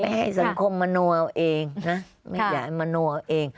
ให้สังคมมโนเอาเองนะไม่อยากให้มโนเอาเอง